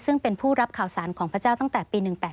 ซึ่งเป็นผู้รับข่าวสารของพระเจ้าตั้งแต่ปี๑๘๘